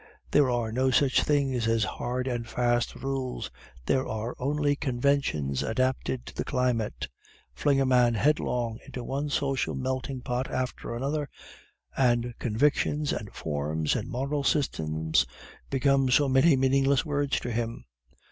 There are no such things as hard and fast rules; there are only conventions adapted to the climate. Fling a man headlong into one social melting pot after another, and convictions and forms and moral systems become so many meaningless words to him.